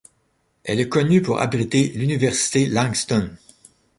Elle est connue pour abriter l'université Langston.